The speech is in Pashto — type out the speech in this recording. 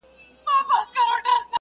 بېله پوښتني ځي جنت ته چي زکات ورکوي